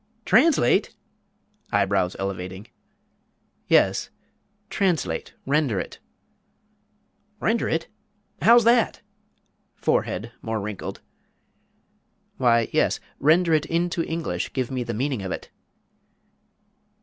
"Translate!" (eyebrows elevating.) "Yes, translate, render it." "Render it!! how's that?" (forehead more wrinkled.) "Why, yes, render it into English give me the meaning of it."